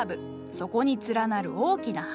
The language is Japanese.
そこに連なる大きな花。